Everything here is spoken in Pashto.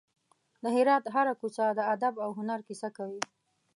د هرات هره کوڅه د ادب او هنر کیسه کوي.